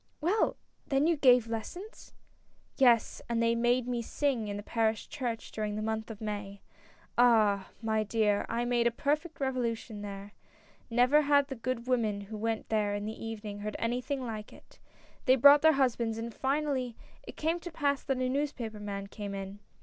" Well ! then you gave lessons !" "Yes, and they made me sing in the parish church during the month of May. Ah! my dear, I made a perfect revolution there. Never had the good women who went there in the evening heard anything like it. They brought their husbands, and finally it came to pass that a newspaper man came in.